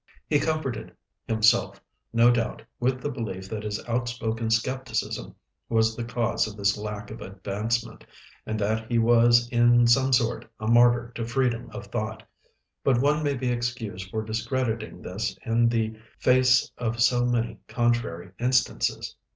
He comforted himself, no doubt, with the belief that his outspoken skepticism was the cause of this lack of advancement, and that he was in some sort a martyr to freedom of thought; but one may be excused for discrediting this in the face of so many contrary instances.